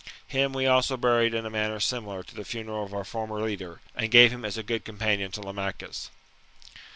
Him we also buried in a manner similar to the funeral of our former leader, and gave him as a good companion to Lamachus.